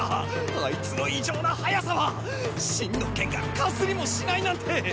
あいつの異常な速さはっ⁉信の剣がカスリもしないなんて！